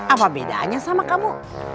apa bedanya sama kamu